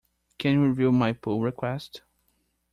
Can you review my pull request?